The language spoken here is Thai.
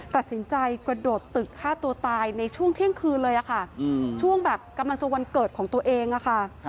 ตัดสินใจกระโดดตึกฆ่าตัวตายในช่วงเที่ยงคืนเลยค่ะช่วงแบบกำลังจะวันเกิดของตัวเองอะค่ะ